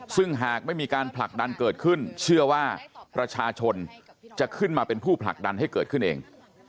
ซึ่งหากไม่มีการผลักดันเกิดขึ้นเชื่อว่าประชาชนจะขึ้นมาเป็นผู้ผลักดันให้เกิดขึ้นเอง